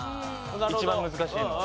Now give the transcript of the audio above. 一番難しいのを。